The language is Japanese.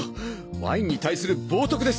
ワインに対する冒とくです！